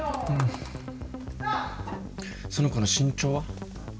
その子の身長は？